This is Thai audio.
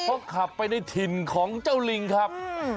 เขาขับไปในถิ่นของเจ้าลิงครับ